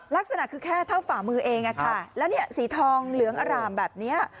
ลักษณะคือแค่เท่าฝ่ามือเองอะค่ะแล้วเนี่ยสีทองเหลืองอร่ามแบบนี้